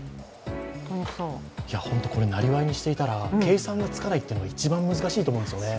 本当にこれ、なりわいにしていたら、計算がつかないから一番難しいと思うんですよね。